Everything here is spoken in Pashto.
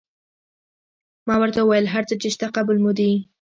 ما ورته وویل: هر څه چې شته قبول مو دي.